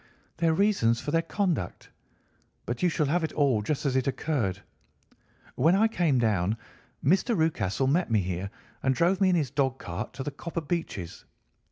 "Their reasons for their conduct. But you shall have it all just as it occurred. When I came down, Mr. Rucastle met me here and drove me in his dog cart to the Copper Beeches.